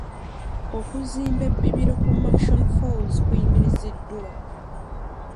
Okuzimba ebbibiro ku Murchison Falls kuyimiriziddwa.